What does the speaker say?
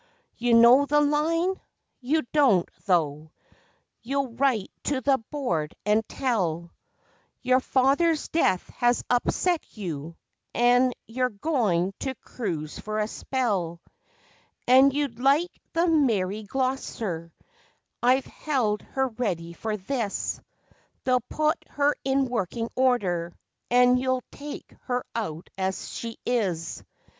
You know the Line? You don't, though. You write to the Board, and tell Your father's death has upset you an' you're goin' to cruise for a spell, An' you'd like the Mary Gloster I've held her ready for this They'll put her in working order an' you'll take her out as she is.